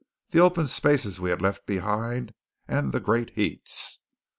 The open spaces we had left behind, and the great heats.